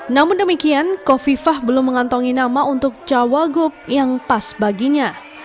namun demikian kofifah belum mengantongi nama untuk cawagup yang pas baginya